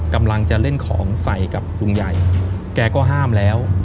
กำลังจะเล่นของใส่กับลุงใหญ่แกก็ห้ามแล้ว